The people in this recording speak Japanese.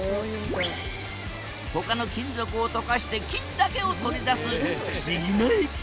他の金属を溶かして金だけをとり出す不思議な液体だ。